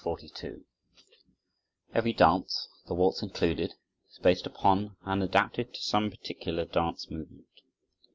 42 Every dance, the waltz included, is based upon and adapted to some particular dance movement.